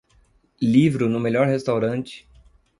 livro no melhor restaurante